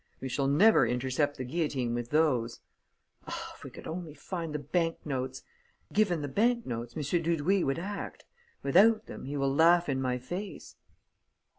We shall never intercept the guillotine with those. Ah, if we could only find the bank notes! Given the bank notes, M. Dudouis would act. Without them, he will laugh in my face."